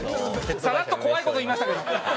さらっと怖い事言いましたけど。